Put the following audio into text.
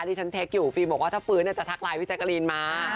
ที่ฉันเช็คอยู่ฟิล์มบอกว่าถ้าฟื้นจะทักไลน์พี่แจ๊กกะรีนมา